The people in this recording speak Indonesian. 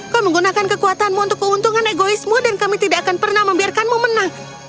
kau menggunakan kekuatanmu untuk keuntungan egoismu dan kami tidak akan pernah membiarkanmu menang